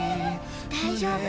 大丈夫。